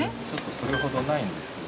それほどないんですけど。